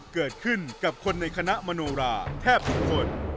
เกิดขึ้นกับคนในคณะมโนราแทบทุกคน